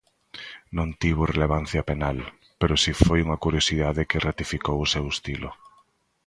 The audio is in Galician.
Non tivo relevancia penal, pero si foi unha curiosidade que ratificou o seu estilo.